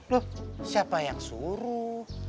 loh siapa yang suruh